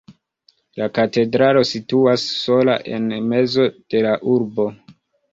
La katedralo situas sola en mezo de la urbo.